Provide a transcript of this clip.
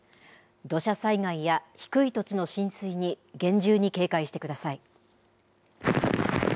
土砂災害や低い土地の浸水に、厳重に警戒してください。